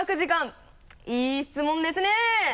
いい質問ですね！